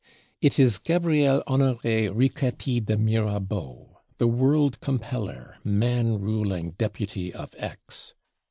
It is Gabriel Honoré Riquetti de Mirabeau, the world compeller; man ruling Deputy of Aix!